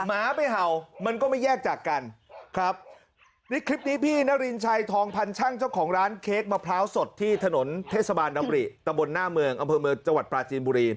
หมาไปเห่ามันก็ไม่แยกจากกันครับในคลิปนี้พี่นรินชัยทองพันช่างเจ้าของร้านเค้กมะพร้าวสดที่ถนนเทศบาลดำริตะบนหน้าเมืองอำเภอเมืองจังหวัดปลาจีนบุรี